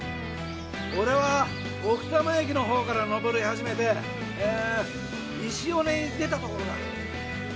俺は奥多摩駅のほうから登り始めてえぇ石尾根に出たところだ。